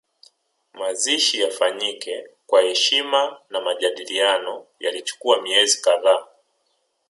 Mazishi yafanyike kwa heshima na majadiliano yalichukua miezi kadhaa